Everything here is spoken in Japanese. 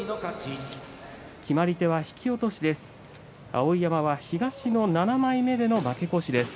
決まり手は引き落としです。